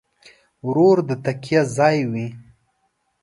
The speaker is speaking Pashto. ورور د تکیه ځای وي.